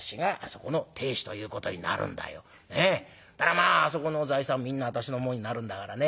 まああそこの財産みんな私のもんになるんだからね